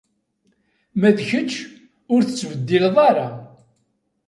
Ma d kečč, ur tettbeddileḍ ara.